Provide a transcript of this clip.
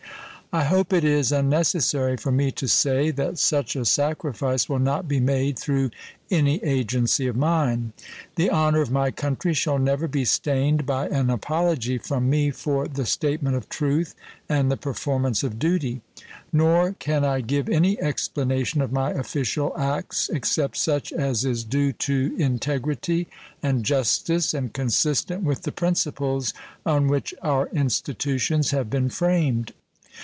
I hope it is unnecessary for me to say that such a sacrifice will not be made through any agency of mine. The honor of my country shall never be stained by an apology from me for the statement of truth and the performance of duty; nor can I give any explanation of my official acts except such as is due to integrity and justice and consistent with the principles on which our institutions have been framed.